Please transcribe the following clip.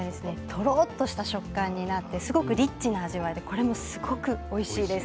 とろっとした食感になって、リッチな味わいですごくおいしいです。